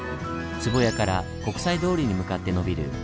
壺屋から国際通りに向かってのびる